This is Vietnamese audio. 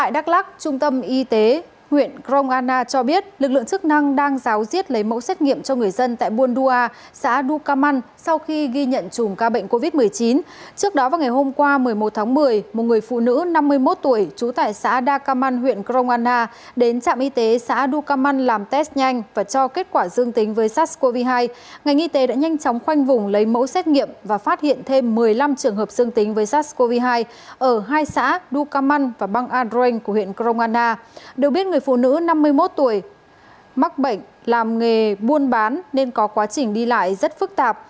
điều biết người phụ nữ năm mươi một tuổi mắc bệnh làm nghề buôn bán nên có quá trình đi lại rất phức tạp